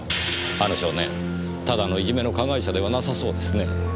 あの少年ただのいじめの加害者ではなさそうですね。